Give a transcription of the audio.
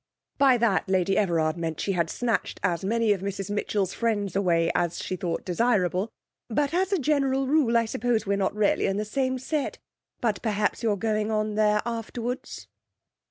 (By that Lady Everard meant she had snatched as many of Mrs Mitchell's friends away as she thought desirable.) 'But as a general rule I suppose we're not really in the same set. But perhaps you're going on there afterwards?'